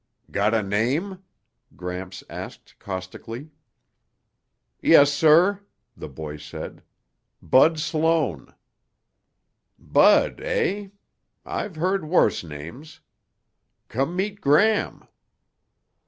"Got a name?" Gramps asked caustically. "Yes, sir," the boy said. "Bud Sloan." "Bud, eh? I've heard worse names. Come meet Gram."